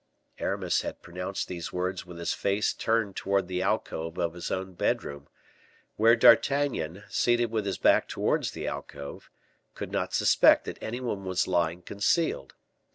Aramis had pronounced these words with his face turned towards the alcove of his own bedroom, where D'Artagnan, seated with his back towards the alcove, could not suspect that any one was lying concealed.